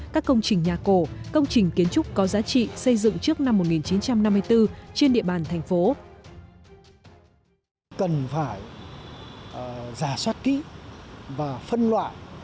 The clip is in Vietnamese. các công trình nhà cổ công trình kiến trúc có giá trị xây dựng trước năm một nghìn chín trăm năm mươi bốn trên địa bàn thành phố